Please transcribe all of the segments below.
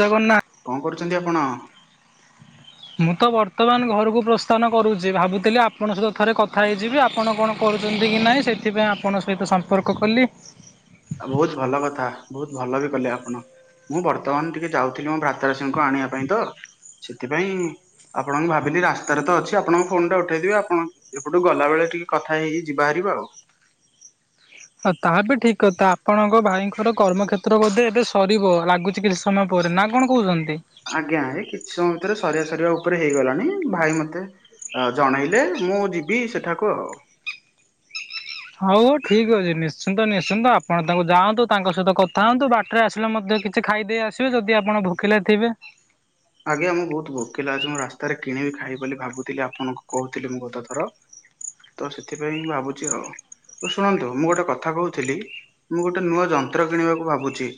ଜଗନ୍ନା କଣ କରୁଛନ୍ତି ଆପଣ? ମୁଁ ତ ବର୍ତ୍ତମାନ ଘରୁକୁ ପ୍ରସ୍ଥାନ କରୁଛି ଭାବୁଥିଲି ଆପଣ ସହିତ ଥରେ କଥା ହେଇଯିବି ଆପଣ କଣ କରୁଛନ୍ତି କି ନାହିଁ ସେଥିପାଇଁ ଆପଣଙ୍କ ସହିତ ସମ୍ପର୍କ କଲି। ବହୁତ୍ ଭଲ କଥା ବହୁତ୍ ଭଲ ବି କଲେ ଆପଣ। ମୁଁ ବର୍ତ୍ତମାନ ଟିକେ ଯାଉଥିଲି ମୋ ଭ୍ରାତାଶ୍ରୀଙ୍କୁ ଆଣିବା ପାଇଁ ତ ସେଥିପାଇଁ ଆପଣଙ୍କୁ ଭାବିଲି ରାସ୍ତାରେ ତ ଅଛି ଆପଣଙ୍କ ଫୋନ୍ ଟା ଉଠେଇଦେବି ଆପଣ ଏପଟୁ ଗଲାବେଳେ ଟିକେ କଥା ହେଇ ହେଇ ଯିବାହାରିବା ଆଉ। ହ ତାହା ବି ଠିକ୍ କଥା ଆପଣଙ୍କ ଭାଇଙ୍କର କର୍ମକ୍ଷେତ୍ର ବୋଧେ ଏବେ ସରିବ ଲାଗୁଛି କି ସମୟ ପରେ ନା କଣ କହୁଛନ୍ତି? ଆଜ୍ଞା ଏ କିଛି ସମୟ ଭିତରେ ସରିବା ସରିବା ଉପରେ ହେଇଗଲାଣି ଭାଇ ମତେ ଅ ଜଣେଇଲେ ମୁଁ ଯିବି ସେଠାକୁ ଆଉ। ହଉ ଠିକ୍ ଅଛି ନିଶ୍ଚିନ୍ତ ନିଶ୍ଚିନ୍ତ ଆପଣ ତାଙ୍କୁ ଯାଆନ୍ତୁ ତାଙ୍କ ସହିତ କଥା ହଅନ୍ତୁ ବାଟରେ ଆସିଲେ ମଧ୍ୟ କି କିଛି ଖାଇଦେଇ ଆସିବେ ଯଦି ଆପଣ ଭୋକିଲେ ଥିବେ। ଆଜ୍ଞା ମୁଁ ବହୁତ୍ ଭୋକିଲା ଅଛି ମୁଁ ରାସ୍ତାରେ କିଣିବି ଖାଇବି ବୋଲି ଭାବୁଥିଲି ଆପଣଙ୍କୁ କହୁଥିଲି ମୁଁ ଗତ ଥର। ତ ସେଥିପାଇଁ ଭାବୁଛି ଆଉ ଶୁଣନ୍ତୁ ମୁଁ ଗୋଟେ କଥା କହୁଥିଲି ମୁଁ ଗୋଟେ ନୂଆ ଯନ୍ତ୍ର କିଣିବାକୁ ଭାବୁଛି।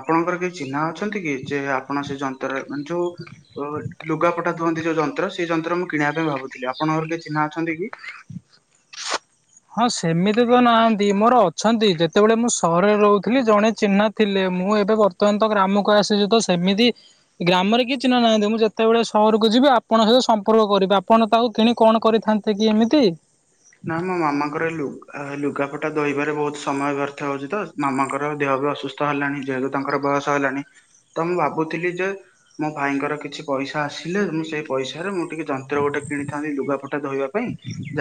ଆପଣଙ୍କର କେହି ଚିହ୍ନା ଅଛନ୍ତି କି ଯେ ଆପଣ ସେ ଯନ୍ତ୍ରରେ ମାନେ ଯୋଉ ଅ ଲୁଗା ପଟା ଧୁଅନ୍ତି ଯୋଉ ଯନ୍ତ୍ର ସେଇ ଯନ୍ତ୍ର ମୁଁ କିଣିବା ପାଇଁ ଭାବୁଥିଲି ଆପଣଙ୍କର କିଏ ଚିହ୍ନା ଅଛନ୍ତି କି? ହଁ ସେମିତି ତ ନାହାଁନ୍ତି ମୋର ଅଛନ୍ତି ଯେତେବେଳେ ମୁଁ ସହରରେ ରହୁଥିଲି ଜଣେ ଚିହ୍ନା ଥିଲେ ମୁଁ ଏବେ ବର୍ତ୍ତମାନ ତ ଗ୍ରାମକୁ ଆସିଛି ତ ସେମିତି ଗ୍ରାମରେ କିଏ ଚିହ୍ନା ନାହାଁନ୍ତି ମୁଁ ଯେତେବେଳେ ସହରୁକୁ ଯିବି ଆପଣ ସହିତ ସମ୍ପର୍କ କରିବି ଆପଣ ତାକୁ କିଣି କଣ କରିଥାନ୍ତେ? ସେ କି ଏମିତି ନା ମୋ ମାମାଙ୍କର ଲୁଗା-ଲୁଗାପଟା ଧୋଇବାରେ ବହୁତ ସମୟ ବ୍ୟର୍ଥ ହଉଛି ତ ମାମାଙ୍କର ଦେହ ବି ଅସୁ ବେସ୍ଥ ହେଲାଣି ଯେହେତୁ ତାଙ୍କର ବୟସ ହେଲାଣି। ତ ମୁଁ ଭାବୁଥିଲି ଯେ ମୋ ଭାଇଙ୍କର କିଛି ପଇସା ଆସିଲେ ମୁଁ ସେଇ ପଇସାରେ ମୁଁ ଟିକେ ଯନ୍ତ୍ର ଗୋଟେ କିଣିଥାନ୍ତି ଲୁଗା ପଟା ଧୋଇବା ପାଇଁ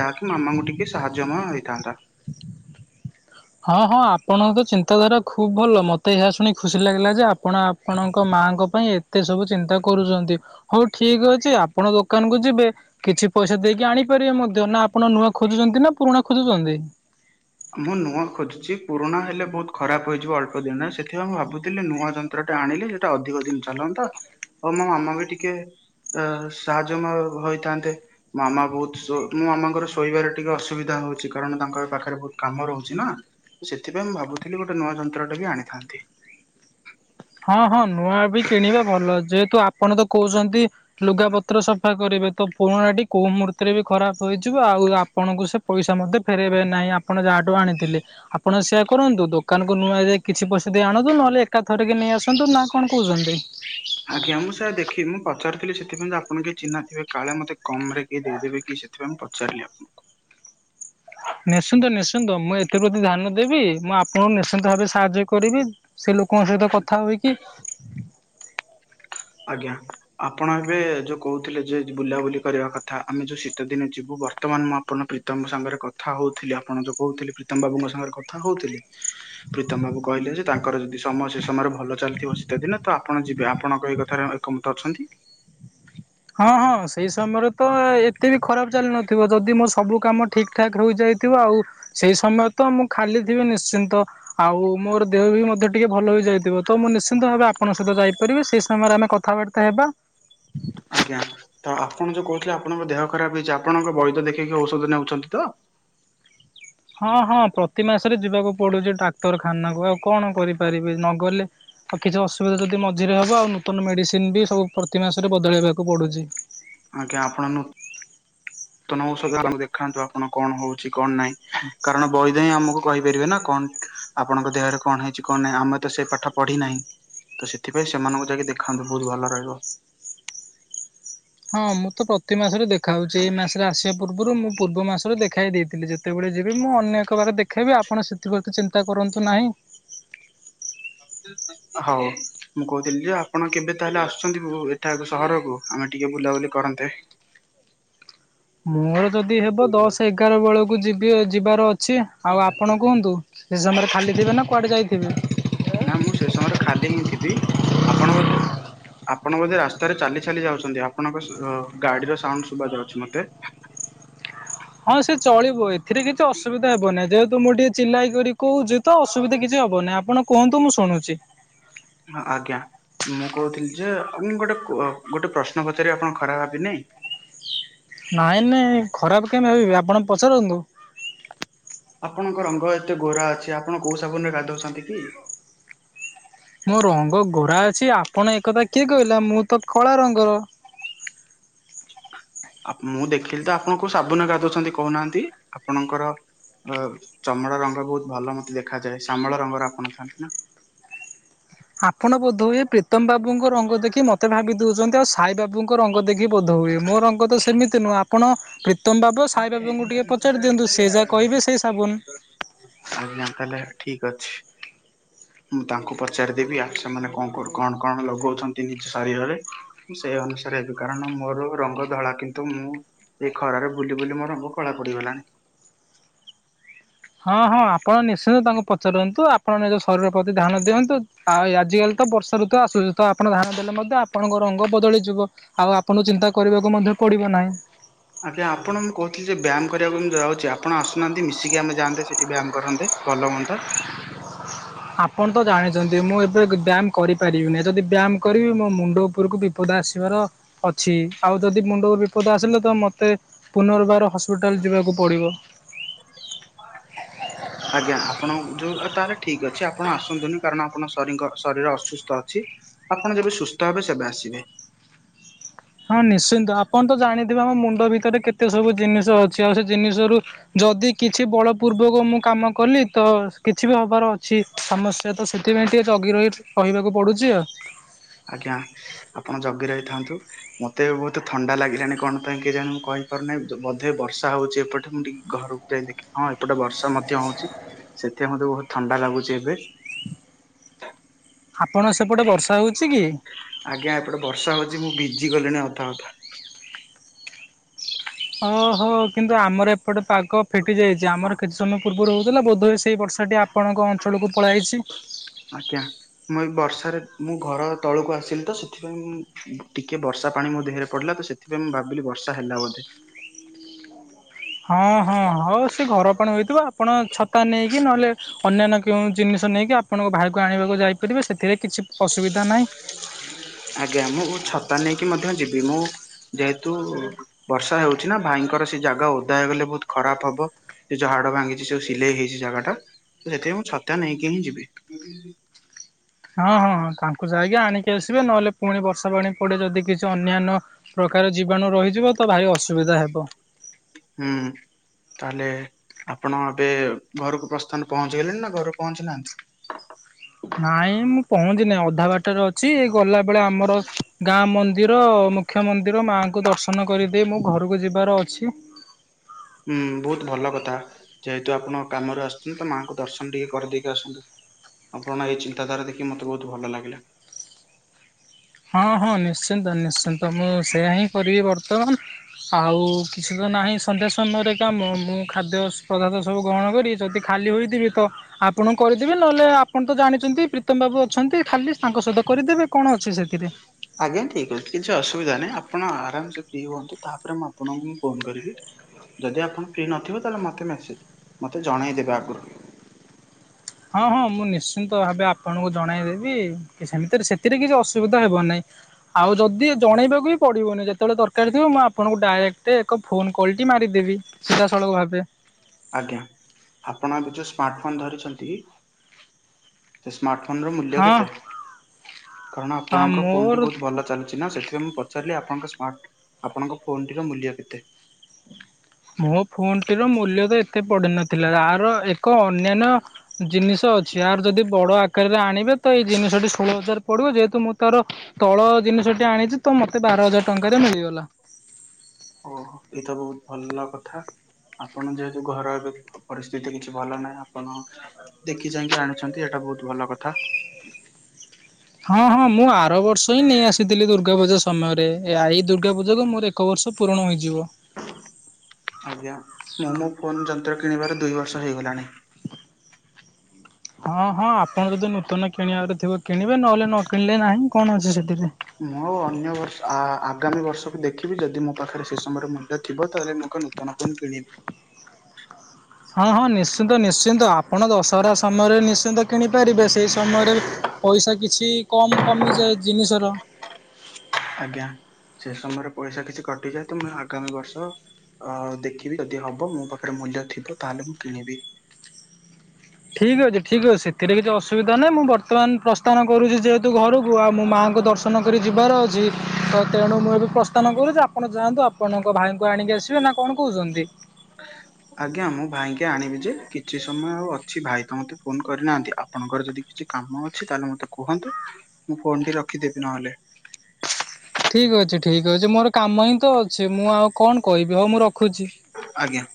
ଯାହାକି ମାମାଙ୍କୁ ଟିକେ ସାହାଯ୍ୟମୟ ହେଇଥାନ୍ତା। ହଁ ହଁ ଆପଣଙ୍କ ତ ଚିନ୍ତାଧାରା ଖୁବ ଭଲ ମତେ ଏହା ଶୁଣି ଖୁସି ଲାଗିଲା ଯେ ଆପଣ ଆ ଆପଣଙ୍କ ମାଆଙ୍କ ପାଇଁ ଏତେ ସବୁ ଚିନ୍ତା କରୁଚନ୍ତି। ହୋଉ ଠିକ ଅଛି ଆପଣ ଦୋକାନ କୁ ଯିବେ। କିଛି ପଇସା ଦେଇକି ଆଣିପାରିବେ ମଧ୍ୟ ନା ଆପଣ ନୂଆ ଖୋଜୁଛନ୍ତି ନା ପୁରୁଣା ଖୋଜୁଛନ୍ତି? ମୁଁ ନୂଆ ଖୋଜୁଛି ପୁରୁଣା ହେଲେ ବୋହୁତ ଖରାପ ହେଇଯିବ ଅଳ୍ପ ଦିନ ସେଥିପାଇଁ ମୁଁ ଭାବୁଥିଲି ନୂଆ ଯନ ନ୍ତ୍ର ଟେ ଆଣିଲେ ସେଟା ଅଧିକ ଦିନ ଚାଲନ୍ତା ଆଉ ମୋ ମାମା ବି ଟିକେ ଅ ସାହାଯ୍ୟମୟ ହୋଇଥାନ୍ତେ। ମାମା ବୋହୁତ ସୋ ମୋ ମାମାଙ୍କର ଶୋଇବାରେ ଟିକେ ଅସୁବିଧା ହୋଉଚି କାରଣ ତାଙ୍କ ପାଖରେ ବୋହୁତ କାମ ରହୁଚି ନା ସେଥିପାଇଁ ମୁଁ ଭାବୁଥିଲି ଗୋଟେ ନୂଆ ଯନ୍ତ୍ରଟେ ବି ଆଣିଥାନ୍ତି। ହଁ ହଁ ନୂଆ ବି କିଣିବା ଭଲ ଯେହେତୁ ଆପଣ ତ କୋହୁଛନ୍ତି ଲୁଗା ପତ୍ର ସଫା କରିବେ ତ ପୁରୁଣାଟି କୋଉ ମୁହୂର୍ତ୍ତରେ ରେ ବି ଖରାପ ହୋଇଯିବ ଆଉ ଆ ଆପଣଙ୍କୁ ସେ ପଇସା ମଧ୍ୟ ଫେରେଇବେ ନାହିଁ ଆପଣ ଯାହାଠୁ ଆଣିଥିଲେ। ଆପଣ ସେୟା କରନ୍ତୁ ଦୋକାନକୁୁ ନୂଆ ଯାଇ କିଛି ପଇସା ଦେଇ ଆଣନ୍ତୁ ନହେଲେ ଏକାଥରେ ଥରକେ ନେଇ ଆସନ୍ତୁ ନା କଣ କୋହୁଚନ୍ତି। ଆଜ୍ଞା ମୁଁ ସାର୍ ଦେଖି ମୁଁ ପଚାରୁଥିଲି ସେଥିପାଇଁ ଆପଣ କିଏ ଚିହ୍ନା ଥିବେ କାଳେ ମତେ କମରେ କିଏ ଦେଇଦେବେ କି ସେ ସେଥିପାଇଁ ମୁଁ ପଚାରିଲି ଆପଣଙ୍କୁ। ନିଶ୍ଚିନ୍ତ ନିଶ୍ଚିନ୍ତ ମୁଁ ଏଥି ପ୍ରତି ଧ୍ୟାନ ଦେବି ମୁଁ ଆପଣଙ୍କୁ ନିଶ୍ଚିନ୍ତ ଭାବେ ସାହାଯ୍ୟ କରିବି ସେ ଲୋକଙ୍କ ସହିତ କଥା ହୁଏ କି ଆଜ୍ଞା। ଆପଣ ଏବେ ଯୋଉ କହୁଥିଲେ ଯେ ବୁଲାବୁଲି କରିବା କଥା ଆମେ ଯୋଉ ଶୀତ ଦିନ ଯିବୁ ବର୍ତ୍ତମାନ ମୁଁ ଆପଣଙ୍କ ପ୍ର ପ୍ରୀତମଙ୍କ ସାଙ୍ଗରେ କଥା ହଉଥିଲି ଆପଣ ଯୋଉ କହୁଥିଲେ ପ୍ରୀତମ ବାବୁଙ୍କ ସାଙ୍ଗରେ କଥା ହଉଥିଲି ପ୍ରୀତମ ବାବୁ କହିଲେ ଯେ ତାଙ୍କର ଯଦି ସମୟ ସେ ସମୟରେ ଭଲ ଚାଲିଥିବ ଶୀତଦିନ ତ ଆପଣ ଯିବେ ଆପଣ କହିଲେ [unintelligible] ଏକମତ ଅଛନ୍ତି। ହଁ ହଁ ସେଇ ସମୟରେ ତ ଏତେ ବି ଖରାପ ଚାଲି ନଥିବ ଯଦି ମୋ ସବୁ କାମ ଠିକ୍ ଠାକ୍ ହୋଇଯାଇଥିବ ଆଉ ସେଇ ସମୟ ତ ମୁଁ ଖାଲି ଥିବି ନିଶ୍ଚିନ୍ତ। ଆଉ ମୋର ଦେହ ବି ମଧ୍ୟ ଟିକେ ଭଲ ହେଇଯାଇଥିବ ତ ମୁଁ ନିଶ୍ଚିନ୍ତ ଭାବେ ଆପଙ୍କ ସହିତ ଯାଇପାରିବି ସେଇ ସମୟରେ ଆମେ କଥା କଥାବାର୍ତା ହେବା। ଆଜ୍ଞା ତ ଆପଣ ଯୋଉ କହୁଥିଲେ ଆପଣଙ୍କ ଦେହ ଖରାପ ହେଇଚି ଆପଣଙ୍କ ବୈଦ୍ୟ ଦେଖେଇକି ଔଷଧ ନେଉଛନ୍ତି ତ। ହଁ ହଁ ପ୍ରତି ମାସରେ ଯିବାକୁ ପଡୁଛି ଟ୍ରାକ୍ତରଖାନାକୁ ଆଉ କଣ କରିପାରିବି ନଗଲେ ଆଉ କିଛି ଅସୁବିଧା ଯଦି ମଝିରେ ହବ ଆଉ ନୂତନ ମେଡିସିନ ବି ସବୁ ପ୍ରତି ମାସରେ ବଦଳେଇବାକୁ ପଡୁଚି। ଆଜ୍ଞା ଆପଣ ନୁ ନୂତନ ଔଷଧ ଆପ ଦେଖାନ୍ତୁ ଆପଣ କଣ ହଉଛି କଣ ନାହିଁ କାରଣ ବୈଦ ହଁ ଆମକୁ କହିପାରିବେ ନା କଣ ଆପଣଙ୍କ ଦେହରେ କଣ ହେଇଚି କଣ ନାହିଁ ଆମେ ତ ସେଇ ପାଠ ପଢି ନାହିଁ। ତ ସେଥିପାଇଁ ସେମାନଙ୍କୁ ଯାଇକି ଦେଖାନ୍ତୁ ବୋହୁତ ଭଲ ରହିବ। ହଁ ମୁଁ ତ ପ୍ରତି ମାସରେ ଦେଖା ହଉଚି ଏଇ ମାସରେ ଆସିବା ପୂର୍ବରୁ ମୁଁ ପୂର୍ବ ମାସରେ ଦେଖାଇ ଦେଇଥିଲି ଯେ କେତେବେଳେ ଯିବି ମୁଁ ଅନ୍ୟ ଏକ ବାରେ ଦେଖାଇବି ଆପଣ ସେଥିପ୍ରତି ଚିନ୍ତା କରନ୍ତୁ ନାହିଁ। ହଉ। ମୁଁ କହୁଥିଲି ଯେ ଆପଣ କେବେ ତାହେଲେ ଆସୁଛନ୍ତି ଏଠା ସହରକୁ ଆମେ ଟିକେ ବୁଲାବୁଲି କରନ୍ତେ। ମୋର ଯଦି ହେବ ଦଶ ଏଗାର ବେଳକୁ ଯିବି ଯିବାର ଅଛି ଆଉ ଆପଣ କୁହନ୍ତୁ। ସେ ସମୟରେ ଖାଲି ଥିବେ ନା କୁଆଡେ ଯାଇଥିବେ। ନା ମୁଁ ସେ ସମୟରେ ଖାଦ୍ୟ ହିଁ ଥିବି ଆପଣ ମଧ୍ଯ ଆପଣ ବୋଧେ ରାସ୍ତାରେ ଚାଲି ଚାଲି ଯାଉଚନ୍ତି ଆପଣଙ୍କ ଗାଡିର ସାଉଣ୍ଟ ଶୁବା ଯାଉଚି ମତେ। ହଁ ସେ ଚଳିବ ଏଥିରେ କିଛି ଅସୁବିଧା ହେବନହିଁ ଯେହେତୁ ମୁଁ ଟିକେ ଚିଲାଇ କରି କହୁଚି ତ ଅସୁବିଧା କିଛି ହବନିଁ ଆପଣ କୁହନ୍ତୁ ମୁଁ ଶୁଣୁଚି। ଆଜ୍ଞା ମୁଁ କହୁଥିଲି ଯେ ମୁଁ ଗୋଟେ ଗୋଟେ ପ୍ରଶ୍ନ ପଚାରିବି ଆପଣ ଖରାପ ଭବିିନେହିଁ। ନାଇଁ ନାଇଁ ଖରାପ କେଇଁ ଭାବିବି ଆପଣ ପଚାରନ୍ତୁ। ଆପଣଙ୍କ ରଙ୍ଗ ଏତେ ଗୋରା ଅଛି, ଆପଣ କୋଉ ସାବୁନ ରେ ଗାଧଉଛନ୍ତି କି? ମୋ ରଙ୍ଗ ଗୋରା ଅଛି? ଆପଣ ଏକଥା କିଏ କହିଲା? ମୁଁ ତ କଳା ରଙ୍ଗର। ମୁଁ ଦେଖିଲି ତ ଆପଣଙ୍କୁ ସାବୁନ ଗାଧୁଉଛନ୍ତି, କହୁନାହାନ୍ତି ଆପଣଙ୍କର ଅ, ଚମଡ଼ା ରଙ୍ଗ ବହୁତ ଭଲ ମତେ ଦେଖାଯାଏ। ଶାମଳ ରଙ୍ଗର ଆପଣ ଥାନ୍ତି ନା? ଆପଣ ବୋଧ ହୁଏ ପ୍ରୀତମ ବାବୁଙ୍କ ରଙ୍ଗ ଦେଖି ମତେ ଭାବି ଦଉଛନ୍ତି, ଆଉ ସାଇ ବାବୁଙ୍କ ରଙ୍ଗ ଦେଖି ବୋଧ ହୁଏ, ମୋ ର ଗଦ, ସେମିତି ନୁହଁ। ଆପଣ ପ୍ରୀତମ ବାବୁ, ସାଇବାବୁଙ୍କୁ ଟିକେ ପଚାରି ଦିଅନ୍ତୁ, ସେ ଯାହା କହିବେ ସେଇ ସାବୁନ। ଆଜ୍ଞା, ତାହେଲେ ଠିକ୍ ଅଛି। ମୁଁ ତାଙ୍କୁ ପଚାରିଦେବି, ଆ ସେମାନେ କଣ କଣ କଣ ଲଗଉଛନ୍ତି ନିଜ ଶରୀରରେ? ମୁଁ ସେଇ ଅନୁସାରେ ହେବି, କାରଣ ମୋର ରଙ୍ଗ ଧଳା, କିନ୍ତୁ ମୁଁ ଏଇ ଖରାରେ ବୁଲି ବୁଲି ମୋ ରଙ୍ଗ କଳା ପଡ଼ିଗଲାଣି। ହଁ, ହଁ, ଆପଣ ନିଶ୍ଚିନ୍ତ ତାଙ୍କୁ ପଚାରନ୍ତୁ, ଆପଣ ନିଜ ଶରୀର ପ୍ରତି ଧ୍ୟାନ ଦିଅନ୍ତୁ। ଆଉ ଆଜିକାଲି ତ ବର୍ଷାଋତୁ ଆସୁଛି, ତ ଆପଣ ଧ୍ୟାନ ଦେଲେ ମଧ୍ୟ ଆପଣଙ୍କ ରଙ୍ଗ ବଦଳିଯିବ। ଆଉ ଆପଣଙ୍କୁ ଚିନ୍ତା କରିବାକୁ ମଧ୍ୟ ପଡିବ ନାହିଁ। ଆଜ୍ଞା, ଆପଣ ମୁଁ କହୁଥିଲି ଯେ ବ୍ୟାୟାମ କରିବାକୁ ମୁଁ ଯାଉଛି। ଆପଣ ଆସୁନାହାନ୍ତି, ମିଶିକି ଆମେ ଯାନ୍ତେ, ସେଠି ବ୍ୟାୟାମ କରନ୍ତେ। ଭଲ ହୁଅନ୍ତା। ଆପଣ ତ ଜାଣିଛନ୍ତି, ମୁଁ ଏବେ ବ୍ୟାୟାମ କରିପାରିବିନି ଯଦି ବ୍ୟାୟାମ କରିବି ମୋ ମୁଣ୍ଡ ଉପରକୁ ବି ବିପଦ ଆସିବାର ଅଛି। ଆଉ ଯଦି ମୁଣ୍ଡ ବିପଦ ଆସିଲେ ତ ମତେ ପୁନର୍ବାର ହସ୍ପିଟାଲ ଯିବାକୁ ପଡିବ। ଆଜ୍ଞା, ଆପଣ ଯୋଉ ତାହେଲେ ଠିକ୍ ଅଛି, ଆପଣ ଆସନ୍ତୁନି, କାରଣ ଆପଣ ଶରୀ ଶରୀର ଅସୁସ୍ଥ ଅଛି। ଆପଣ ଯେବେ ସୁସ୍ଥ ହେବେ, ସେବେ ଆସିବେ। ହଁ, ନିଶ୍ଚିନ୍ତ, ଆପଣ ତ ଜାଣିଥିବେ, ଆମ ମୁଣ୍ଡ ଭିତରେ କେତେ ସବୁ ଜିନିଷ ଅଛି, ଆଉ ସେ ଜିନିଷ ରୁ ଯଦି କିଛି ବଳ ପୂର୍ବକ ମୁଁ କାମ କଲି, ତ କିଛି ବି ହବାର ଅଛି। ସମସ୍ୟା ତ ସେଥିପାଇଁ ଟିକେ ଜଗି ରହି ରହିବାକୁ ପଡୁଛି ଆଉ। ଆଜ୍ଞା, ଆପଣ ଜଗି ରହିଥାନ୍ତୁ। ମତେ ବହୁତ ଥଣ୍ଡା ଲାଗିଲାଣି, କଣ ପାଇଁ କେଜାଣି ମୁଁ କହିପାରୁନିଁ। ବୋଧେ ବର୍ଷା ହଉଛି ଏପଟେ, ମୁଁ ଟିକେ ଘର ଯ ଦେଖେ। ହଁ, ଏପଟେ ବର୍ଷା ମଧ୍ୟ ହଉଛି, ସେଥିପାଇଁ ମତେ ବହୁତ ଥଣ୍ଡା ଲାଗୁଛି ଏବେ। ଆପଣ ସେପଟେ ବର୍ଷା ହଉଛି କି? ଆଜ୍ଞା, ଏପଟେ ବର୍ଷା ହଉଛି। ମୁଁ ଭିଜିି ଗଲିଣି ଅଧା ଅଧା। ଓହୋ, କିନ୍ତୁ ଆମର ଏପଟେ ପାଗ ଫିଟି ଯାଇଛି, ଆମର କେତେ ସମ ପୂର୍ବରୁ ହଉଥିଲା, ବୋଧହୁଏ ସେଇ ବର୍ଷାଟି ଆପଣଙ୍କ ଅଞ୍ଚଳକୁ ପଳାଇଛି। ଆଜ୍ଞା। ମୁଁ ବର୍ଷାରେ ମୁଁ ଘର ତଳକୁ ଆସିଲି, ତ ସେଥିପାଇଁ ମୁଁ ଟିକେ ବର୍ଷା ପାଣି ମୋ ଦେହରେ ପଡିଲା, ତ ସେ ଏଥିପାଇଁ ମୁଁ ଭାବିଲି ବର୍ଷା ହେଲା ବୋଧେ। ହଁ, ହଁ, ହଉ ସେ ଘରପଣ ହୋଇଥିବ, ଆପଣ ଛତା ନେଇକି, ନହେଲେ ଅନ୍ୟାନ୍ୟ କେଉଁ ଜିନିଷ ନେଇକି, ଆପଣଙ୍କ ଭାଇକୁ ଆଣିବାକୁ ଯାଇପାରିବେ, ସେଥିରେ କିଛି ଅସୁବିଧା ନାହିଁ। ଆଜ୍ଞା, ମୁଁ ଛତା ନେଇକି ମଧ୍ୟ ଯିବି। ମୁଁ ଯେହେତୁ ବର୍ଷା ହଉଛି ନା, ଭାଇଙ୍କର ସେ ଜାଗା ଓଦା ହେଇଗଲେ ବହୁତ ଖରାପ ହବ। ସେ ଯୋ ହାଡ ଭାଙ୍ଗିଛି, ଯୋ ସିଲେଇ ହେଇଛି ଜାଗା ଟା, ସେଥିପାଇଁ ମୁଁ ଛତା ନେଇକି ହିଁ ଯିବି। ହଁ, ହଁ, ହଁ, ତାଙ୍କୁ ଯାଇକି ଆଣିକି ଆସିବେ, ନହେଲେ ପୁଣି ବର୍ଷା ପାଣି ପଡ଼େ ଯଦି କିଛି ଅନ୍ୟାନ୍ୟ ପ୍ରକାର ଜୀବାଣୁ ରହିଯିବ ତ ଭାଇ ଅସୁବିଧା ହେବ। ହୁଁ। ତାହେଲେ ଆପଣ ଏବେ ଘରକୁ ପ୍ରସ୍ଥାନ ପହଞ୍ଚିଗଲେଣି ନା, ଘରେ ପହଞ୍ଚି ନାହାନ୍ତି? ନାଇଁ, ମୁଁ ପହଞ୍ଚି ନାହିଁ, ଅଧା ବାଟରେ ଅଛି। ଏ ଗଲା ବେଳେ ଆମର ଗାଁ ମନ୍ଦ ମନ୍ଦିର, ମୁଖ୍ୟ ମନ୍ଦିର ମାଆଙ୍କୁ ଦର୍ଶନ କରିଦେଇ ମୁଁ ଘରକୁ ଯିବାର ଅଛି। ହୁଁ, ବହୁତ ଭଲ କଥା। ଯେହେତୁ ଆପଣ କାମରୁ ଆସୁଛନ୍ତି, ତ ମାଙ୍କୁ ଦର୍ଶନ ଟିକେ କରିଦେଇକି ଆସନ୍ତୁ। ଆପଣ ଏଇ ଚିନ୍ତାଧାରା ଦେଖି ମୋତେ ବହୁତ ଭଲ ଲାଗିଲା। ହଁ, ହଁ, ନିଶ୍ଚିନ୍ତ ନିଶ୍ଚିନ୍ତ, ମୁଁ ସେଇୟା ହିଁ କରିବି ବର୍ତ୍ତମାନ। ଆଉ କିଛି ତ ନାହିଁ ସନ୍ଧ୍ୟା ସମୟରେ କାମ, ମୁଁ ଖାଦ୍ୟ ପଦାର୍ଥ ସବୁ ଗ୍ରହଣ କରି, ଯଦି ଖାଲି ହୋଇଥିବି ତ ଆପଣ କରିଦେବେ, ନହେଲେ ଆପଣ ତ ଜାଣିଛନ୍ତି, ପ୍ରୀତମ ବାବୁ ଅଛନ୍ତି, ଖାଲି ତାଙ୍କ ସହିତ କରିଦେବେ, କଣ ଅଛି ସେ ଥିରେ। ଆଜ୍ଞା ଠିକ୍ ଅଛି, କିଛି ଅସୁବିଧା ନାହିଁ। ଆପଣ ଆରାମ ସେ ଫ୍ରି ହୁଅନ୍ତୁ, ତାପରେ ମୁଁ ଆପଣଙ୍କୁ ମୁଁ ଫୋନ କରିବି। ଯଦି ଆପଣ ଫ୍ରି ନଥିବ, ତାହେଲେ ମତେ ମେସେଜ ମତେ ଜଣେଇଦେବେ ଆଗରୁ। ହଁ, ହଁ, ମୁଁ ନିଶ୍ଚିନ୍ତ ଭାବେ ଆପଣଙ୍କୁ ଜଣାଇଦେବି। କି ସେମିତିରେ ସେଥିରେ କିଛି ଅସୁବିଧା ହେବ ନାହିଁ। ଆଉ ଯଦି ଜଣାଇବାକୁ ବି ପଡ଼ିବନି, ଯେତେବେଳେ ଦରକାର ଥିବ, ମୁଁ ଆପଣଙ୍କୁ ଡାଇରେକ୍ଟ ଏକ ଫୋନ୍ କଲ୍ଟି ମାରିଦେବି। ସିଧାସଳଖ ଭାବେ। ଆଜ୍ଞା। ଆପଣ ଏବେ ଯୋଉ ସ୍ମାର୍ଟ ଫୋନ ଧରିଛନ୍ତି ସେ ସ୍ମାର୍ଟ ଫୋନର ମୂଲ୍ୟ ହଁ କେତେ? କାରଣ ହଁ ଆପଣଙ୍କ ଫୋନ୍ ଟି ମୋର ବହୁତ ଭଲ ଚାଲୁଛି ନା, ସେଥିପାଇଁ ମୁଁ ପ ଚାରିଲି ଆପଣଙ୍କ ସ୍ମାର୍ଟ ଆପଣଙ୍କ ଫୋନଟିର ମୂଲ୍ୟ କେତେ। ମୋ ଫୋନଟିର ମୂଲ୍ୟ ତ ଏତେ ପଡିିନଥିଲା, ଆର ଏକ ଅନ୍ୟାନ୍ୟ ଜିନିଷ ଅଛି। ଆର୍ ଯଦି ବଡ ଆକାରରେ ଆଣିବେ, ତ ଏଇ ଜିନିଷଟି ଷୋହଳ ହଜାର ପଡିବ ଯେହେତୁ ମୁଁ ତାର ତଳ ଜିନିଷଟି ଆଣିଛି, ତ ମତେ ବାର ହଜାର ଟଙ୍କାରେ ମିଳିଗଲା। ଓହୋ ଏଇ ତ ବହୁତ ଭଲ କଥା। ଆପଣ ଯେହେତୁ ଘର ଏବେ ପରିସ୍ଥିତି କିଛି ଭଲ ନାହିଁ, ଆପଣ ଦେଖି ଚାହିଁକି ଆଣୁଛନ୍ତି, ଏଇଟା ବହୁତ ଭଲ କଥା। ହଁ, ହଁ, ମୁଁ ଆର ବର୍ଷ ହିଁ ନେଇ ଆସିଥିଲି ଦୁର୍ଗା ପୂଜା ସମୟରେ, ଏ ଆଇ ଦୁର୍ଗା ପୂଜାକୁ ମୁଁ ରେ ଏକ ବର୍ଷ ପୂରଣ ହୋଇଯିବ। ଆଜ୍ଞା! ମୁଁ ମୋ ଫୋନ ଯନ୍ତ୍ର କିଣିବାର ଦୁଇବର୍ଷ ହେଇଗଲାଣି। ହଁ, ହଁ, ଆପଣ ଯଦି ନୂତନ କିଣିବାର ଥିବ କିଣିବେ, ନହେଲେ ନ କିଣିଲେ ନାହିଁ, କଣ ଅଛି ସେଥିରେ। ମୋ ଅନ୍ୟ ବର୍ଷ ଆ ଆଗାମୀ ବର୍ଷକୁ ଦେଖିବି, ଯଦି ମୋ ପାଖରେ ସେ ସମୟରେ ମୂଲ୍ୟ ଥିବ, ତାହେଲେ ମୁଁ ଏକ ନୂତନ ଫୋନ୍ କିଣିବି। ହଁ, ହଁ, ନିଶ୍ଚିନ୍ତ ନିଶ୍ଚିନ୍ତ, ଆପଣ ଦଶହରା ସମୟରେ ନିଶ୍ଚିନ୍ତ କିଣିପାରିବେ ସେଇ ସମୟରେ ପଇସା କିଛି କମ କମିଯାଏ ଜିନିଷର। ଆଜ୍ଞା! ସେ ସମୟରେ ପଇସା କିଛି କଟିଯାଏ ତ, ମୁଁ ଆଗାମୀ ବର୍ଷ ଅ ଦେଖିବି, ଯଦି ହବ ମୋ ପାଖରେ ମୂଲ୍ୟ ଥିବ, ତାହେଲେ ମୁଁ କିଣିବି। ଠିକ୍ ଅଛି, ଠିକ ଅଛି ସେଥିରେ କିଛି ଅସୁବିଧା ନାହିଁ, ମୁଁ ବର୍ତ୍ତମାନ ପ୍ରସ୍ଥାନ କରୁଛି ଯେହେତୁ ଘରକୁ, ଆଉ ମୁଁ ମାଆଙ୍କ ଦର୍ଶ ନ କରି ଯିବାର ଅଛି, ତ ତେଣୁ ମୁଁ ଏବେ ପ୍ରସ୍ଥାନ କରୁଛି। ଆପଣ ଯାଆନ୍ତୁ, ଆପଣଙ୍କ ଭାଇଙ୍କୁ ଆଣିକି ଆସିବେ ନା କଣ କହୁଛନ୍ତି? ଆଜ୍ଞା! ମୁଁ ଭାଇଙ୍କି ଆଣିବି ଯେ, କିଛି ସମୟ ଆଉ ଅଛି। ଭାଇ ତ ମୋତେ ଫୋନ କରିନାହାନ୍ତି। ଆ ପଣଙ୍କର ଯଦି କିଛି କାମ ଅଛି ତାହେଲେ ମତେ କୁହନ୍ତୁ, ମୁଁ ଫୋନଟି ରଖିଦେବି ନହେଲେ। ଠିକ୍ ଅଛି, ଠିକ୍ ଅଛି। ମୋର କାମ ହିଁ ତ ଅଛି, ମୁଁ ଆଉ କଣ କହିବି? ହଉ ମୁଁ ରଖୁଛି। ଆଜ୍ଞା!